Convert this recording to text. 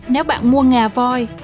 nếu bạn mua ngà voi